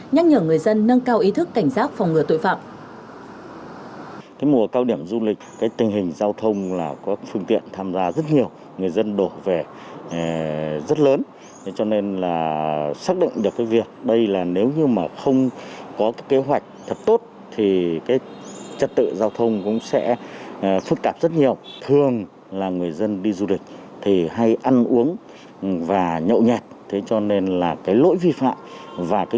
nhắc nhở người dân nâng cao ý thức cảnh giác phòng ngừa tội phạm